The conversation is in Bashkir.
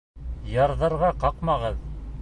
Ярҙарға ҡаҡмағыҙ!